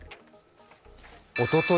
おととい